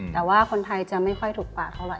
แต่ว่าคนไทยจะไม่ค่อยถูกปากเท่าไห